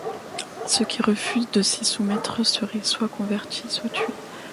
Ceux qui refusent de s'y soumettre seraient soit convertis, soit tués.